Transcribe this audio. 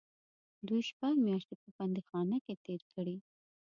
دوی شپږ میاشتې په بندیخانه کې تېرې کړې.